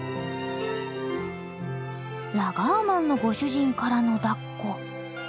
ラガーマンのご主人からのだっこ。